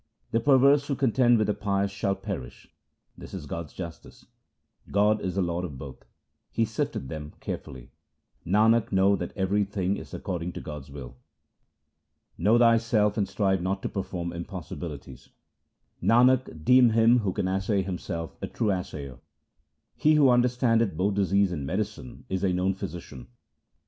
The perverse who contend with the pious shall perish ; this is God's justice. God is the Lord of both ; He sifteth them carefully. Nanak, know that everything is according to God's will. Know thyself and strive not to perform impos sibilities :— Nanak, deem him who can assay himself a true assayer. He who understandeth both disease and medicine is a knowing physician.